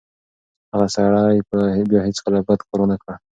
هغه سړی به بیا هیڅکله بد کار ونه کړي.